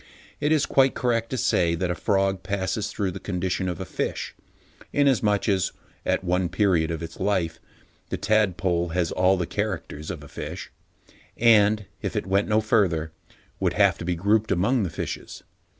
It is quite correct to say that a frog passes through the condition of a fish, inasmuch as at one period of its life the tadpole has all the characters of a fish, and if it went no further, would have to be grouped among fishes.